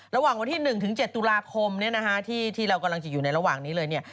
ตอนที่๑ถึง๗ตุลาคมเนี่ยนะฮะที่เรากำลังจะอยู่ในระหว่างนี้เลยเนี่ย